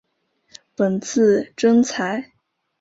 本次征才